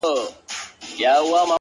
میکده په نامه نسته!! هم حرم هم محرم دی!!